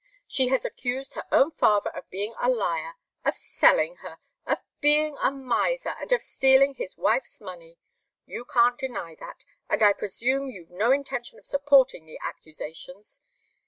She has accused her own father of being a liar, of selling her, of being a miser, and of stealing his wife's money. You can't deny that, and I presume you've no intention of supporting the accusations.